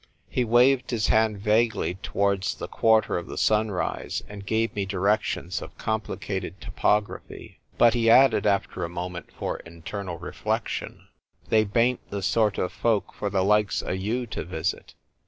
He waved his hand vaguely towards the quarter of the sunrise, and gave me directions of complicated topography. But he added, after a moment for internal reflection, " They bain't the sort o' folk for the likes o' you to visit."